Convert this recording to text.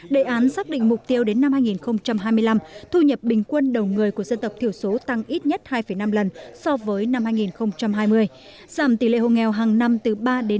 đề án xác định mục tiêu đến năm hai nghìn hai mươi năm thu nhập bình quân đầu người của dân tộc thiểu số tăng ít nhất hai năm lần so với năm hai nghìn hai mươi giảm tỷ lệ hồ nghèo hàng năm từ ba đến năm mươi